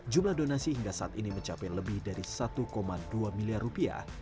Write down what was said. jumlah donasi hingga saat ini mencapai lebih dari satu dua miliar rupiah